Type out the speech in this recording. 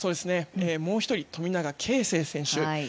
もう１人、富永啓生選手。